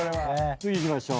次いきましょう。